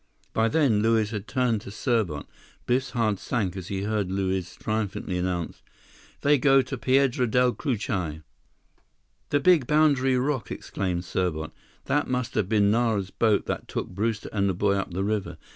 By then, Luiz had turned to Serbot. Biff's heart sank as he heard Luiz triumphantly announce: "They go to Piedra Del Cucuy!" "The big boundary rock!" exclaimed Serbot. "That must have been Nara's boat that took Brewster and the boy up the river.